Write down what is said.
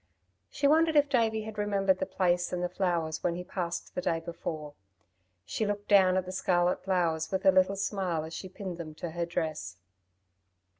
She wondered if Davey had remembered the place and the flowers when he passed the day before. She looked down at the scarlet flowers with a little smile, as she pinned them into her dress.